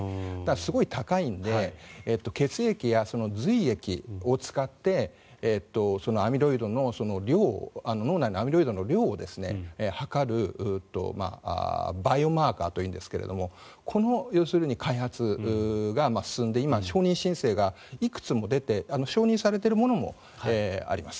すごい高いんで血液や髄液を使って脳内のアミロイドの量を測るバイオマーカーというんですがこの開発が進んで今、承認申請がいくつも出て承認されているものもあります。